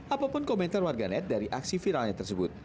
apapun komentar warga net dari aksi viralnya tersebut